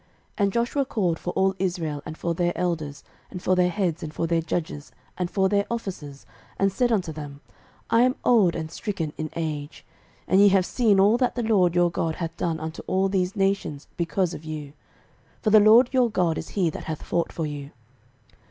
06:023:002 And Joshua called for all Israel, and for their elders, and for their heads, and for their judges, and for their officers, and said unto them, I am old and stricken in age: 06:023:003 And ye have seen all that the LORD your God hath done unto all these nations because of you; for the LORD your God is he that hath fought for you.